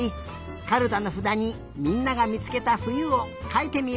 カルタのふだにみんながみつけたふゆをかいてみよう。